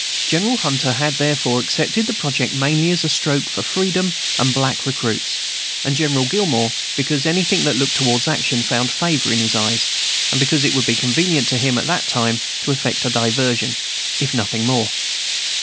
General Hunter had, therefore, accepted the project mainly as a stroke for freedom and black recruits; and General Gillmore, because anything that looked toward action found favor in his eyes, and because it would be convenient to him at that time to effect a diversion, if nothing more.